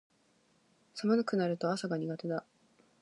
寒くなると朝が苦手だ